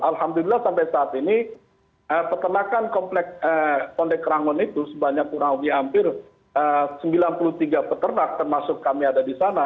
alhamdulillah sampai saat ini peternakan pondok rangon itu sebanyak kurang lebih hampir sembilan puluh tiga peternak termasuk kami ada di sana